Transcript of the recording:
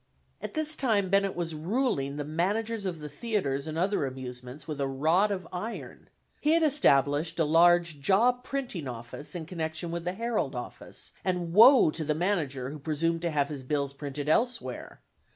At this time Bennett was ruling the managers of the theatres and other amusements with a rod of iron. He had established a large job printing office in connection with the Herald office; and woe to the manager who presumed to have his bills printed elsewhere.